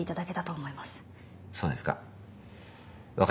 そうですか。